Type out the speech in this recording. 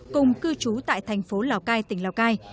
cùng cư trú tại thành phố lào cai tỉnh lào cai